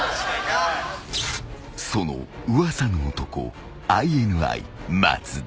［その噂の男ＩＮＩ松田］